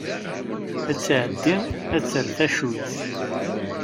Ad tɛeddi ad terr tacuyt.